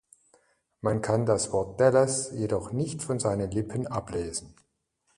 Man kann das Wort "Dallas" jedoch noch von seinen Lippen ablesen.